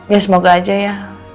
ya semoga aja ya